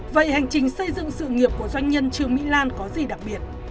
vậy hành trình xây dựng sự nghiệp của doanh nhân trương mỹ lan có gì đặc biệt